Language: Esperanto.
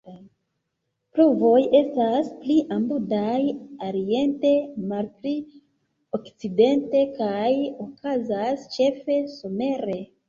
Pluvoj estas pli abundaj oriente, malpli okcidente, kaj okazas ĉefe somere.